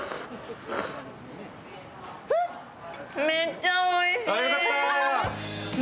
めっちゃおいしい。